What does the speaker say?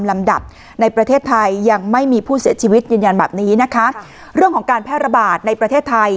ลำดับในประเทศไทยยังไม่มีผู้เสียชีวิตยืนยันแบบนี้นะคะเรื่องของการแพร่ระบาดในประเทศไทย